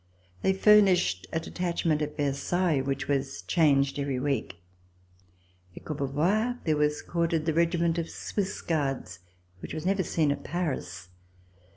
They furnished a detachment at Versailles which was changed every week. At Courbevoie there was quartered the regiment of Swiss Guards, which was never seen at Paris.